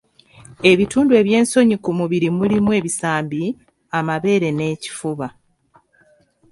Ebitundu ebyensonyi ku mubiri mulimu ebisambi, amabeere n'ekifuba.